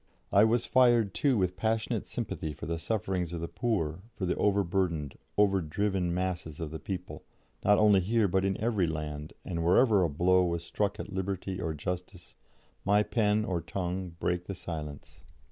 I was fired, too, with passionate sympathy for the sufferings of the poor, for the overburdened, overdriven masses of the people, not only here but in every land, and wherever a blow was struck at Liberty or Justice my pen or tongue brake silence.